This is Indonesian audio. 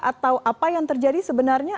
atau apa yang terjadi sebenarnya